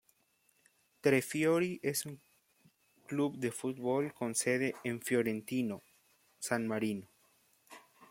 Tre Fiori es un club de fútbol con sede en Fiorentino, San Marino.